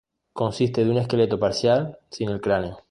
Consiste de un esqueleto parcial sin el cráneo.